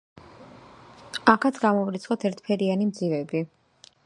აქაც გამოვრიცხოთ ერთ ფერიანი მძივები.